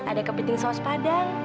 ada kepiting saus padang